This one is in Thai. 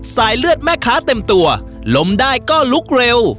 สายเลือดแม่ค้าเต็มตัวล้มได้ก็ลุกเร็ว